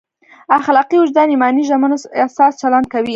اخلاقي وجدان ایماني ژمنو اساس چلند کوي.